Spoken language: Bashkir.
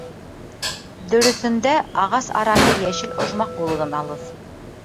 Дөрөҫөндә, ағас араһы йәшел ожмах булыуҙан алыҫ.